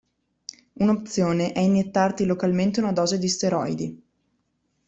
Un'opzione è iniettarti localmente una dose di steroidi.